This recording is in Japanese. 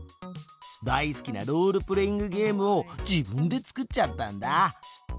大好きなロールプレイングゲームを自分で作っちゃったんだ。